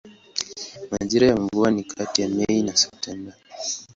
Majira ya mvua ni kati ya Mei na Septemba.